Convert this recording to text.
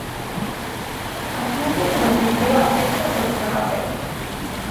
আপনাদের লবিতে অপেক্ষা করতে হবে।